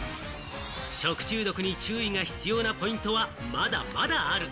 食中毒に注意が必要なポイントはまだまだある。